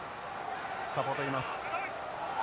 サポートいます。